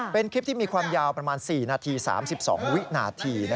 เป็นคลิปที่มีความยาวประมาณ๔นาที๓๒วินาที